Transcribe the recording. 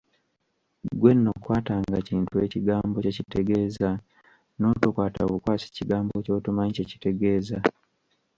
Ggwe nno kwatanga kintu ekigambo kye kitegeeza, n'otokwata bukwasi kigambo ky'otomanyi kye kitegeeza.